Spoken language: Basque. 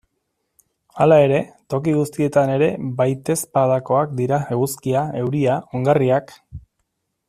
Hala ere, toki guztietan ere baitezpadakoak dira eguzkia, euria, ongarriak...